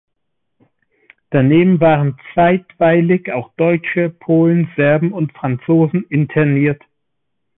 Daneben waren zeitweilig auch Deutsche, Polen, Serben und Franzosen interniert.